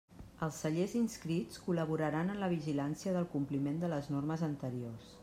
Els cellers inscrits col·laboraran en la vigilància del compliment de les normes anteriors.